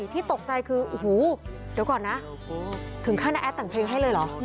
ที่ตกใจคือโอ้โหเดี๋ยวก่อนนะถึงขั้นน้าแอดแต่งเพลงให้เลยเหรอ